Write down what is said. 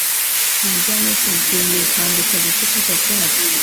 hanze hano serf yongeye kwandika guceceka kwacu